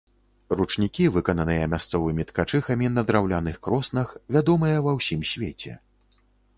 Ручнікі, выкананыя мясцовымі ткачыхамі на драўляных кроснах, вядомыя ва ўсім свеце.